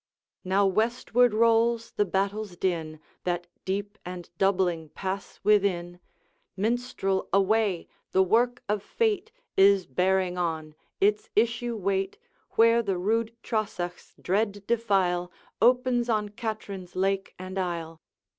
'Now westward rolls the battle's din, That deep and doubling pass within. Minstrel, away! the work of fate Is bearing on; its issue wait, Where the rude Trosachs' dread defile Opens on Katrine's lake and isle.